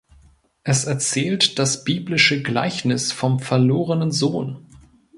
Es erzählt das biblische Gleichnis vom verlorenen Sohn.